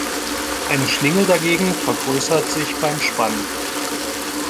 Eine Schlinge dagegen vergrößert sich beim Spannen.